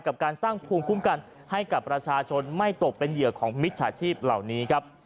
กับการสร้างภูมิคุ้มกันให้กับประชาชนไม่ตกเป็นเหยื่อของมิจฉาชีพเหล่านี้ครับ